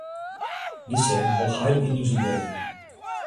Dy seagen wol heil yn ús ideeën.